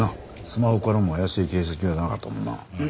スマホからも怪しい形跡はなかったもんな。